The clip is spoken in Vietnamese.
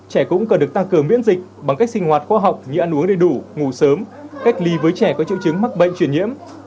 trẻ cũng cần được tăng cường miễn dịch bằng cách sinh hoạt khoa học như ăn uống đầy đủ ngủ sớm cách ly với trẻ có triệu chứng mắc bệnh truyền nhiễm